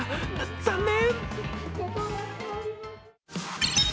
残念！